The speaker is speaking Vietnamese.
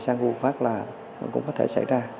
sang vùng phát là cũng có thể xảy ra